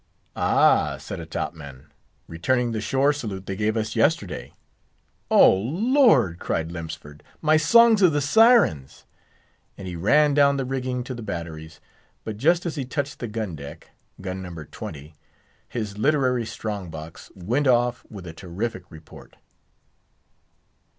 "Ah!" said a top man, "returning the shore salute they gave us yesterday." "O Lord!" cried Lemsford, "my Songs of the Sirens!" and he ran down the rigging to the batteries; but just as he touched the gun deck, gun No. 20—his literary strong box—went off with a terrific report.